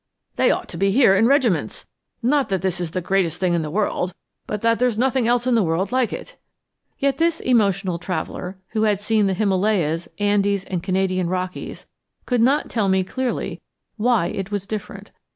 "They ought to be here in regiments. Not that this is the greatest thing in the world, but that there's nothing else in the world like it." Yet this emotional traveller, who had seen the Himalayas, Andes, and Canadian Rockies, could not tell me clearly why it was different.